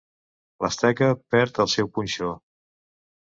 L'asteca perd el seu punxó.